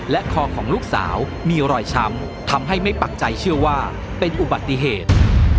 และคอของลูกสาวมีรอยช้ำทำให้ไม่ปักใจเชื่อว่าเป็นอุบัติเหตุ